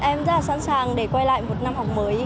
em rất là sẵn sàng để quay lại một năm học mới